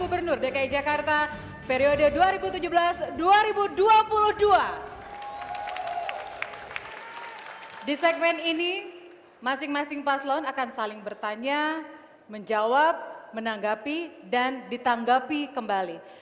pada hari ini masing masing paslon akan saling bertanya menjawab menanggapi dan ditanggapi kembali